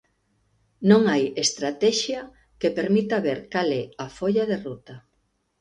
Non hai estratexia que permita ver cal é a folla de ruta.